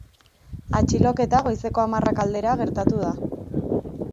Atxiloketa goizeko hamarrak aldera gertatu da.